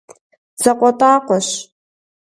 ЗакъуэтӀакъуэщ…